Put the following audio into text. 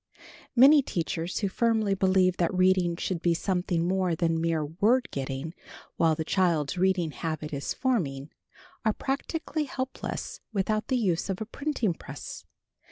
Many teachers, who firmly believe that reading should be something more than mere word getting while the child's reading habit is forming, are practically helpless without the use of a printing press.